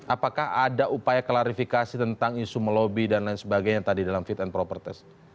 apakah ada upaya klarifikasi tentang isu melobi dan lain sebagainya tadi dalam fit and proper test